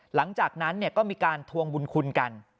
หลังจากนั้นก็มีการทวงบุญคุณกัน